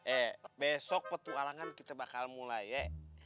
eh besok petualangan kita bakal mulai